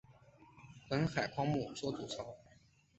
本海葵亚目所组成。